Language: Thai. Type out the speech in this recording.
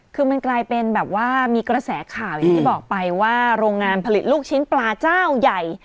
คือมันกลายเป็นแบบว่ามีกระแสข่าวอย่างที่บอกไปว่าโรงงานผลิตลูกชิ้นปลาเจ้าใหญ่